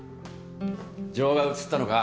情が移ったのか？